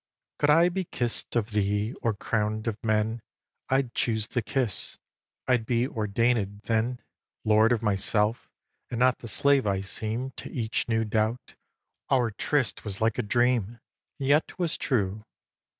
iv. Could I be kiss'd of thee, or crown'd of men, I'd choose the kiss. I'd be ordainèd then Lord of myself, and not the slave I seem To each new doubt. Our tryste was like a dream And yet 'twas true.